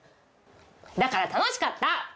だから楽しかった！